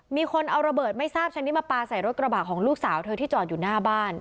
มีคนเอาระเบิดไม่ทราบชนิดมาปลาใส่รถกระบะของลูกสาวเธอที่จอดอยู่หน้าบ้าน